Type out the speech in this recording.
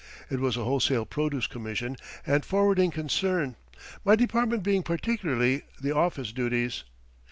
It was a wholesale produce commission and forwarding concern, my department being particularly the office duties.